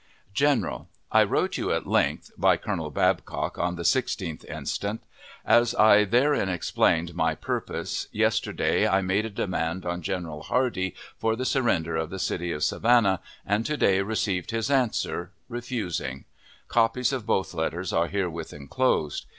GENERAL: I wrote you at length (by Colonel Babcock) on the 16th instant. As I therein explained my purpose, yesterday I made a demand on General Hardee for the surrender of the city of Savannah, and to day received his answer refusing; copies of both letters are herewith inclosed.